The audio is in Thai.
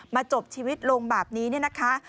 มาจบชีวิตลงแบบนี้นะคะ